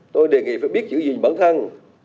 tôi đề nghị phải biết giữ gìn bản thân